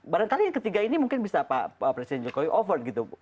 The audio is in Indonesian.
barangkali yang ketiga ini mungkin bisa pak presiden jokowi oven gitu